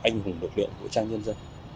anh hùng lực lượng vũ trang nhân dân